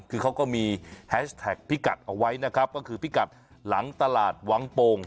คือเขาก็มีแฮชแท็กพิกัดเอาไว้นะครับก็คือพิกัดหลังตลาดวังโป่ง